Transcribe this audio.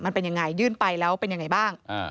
มันเป็นยังไงยื่นไปแล้วเป็นยังไงบ้าง